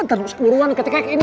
taruh buruan kecek kek ini